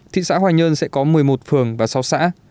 thị xã hoài nhơn sẽ có một mươi một phường và sáu xã